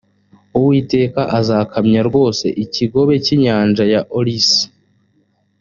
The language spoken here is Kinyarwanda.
uwiteka azakamya rwose ikigobe cy inyanja ya olisi